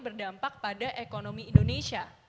berdampak pada ekonomi indonesia